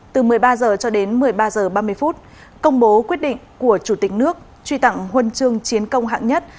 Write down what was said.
từ một mươi ba h cho đến một mươi ba h ba mươi công bố quyết định của chủ tịch nước truy tặng huân chương chiến công hạng nhất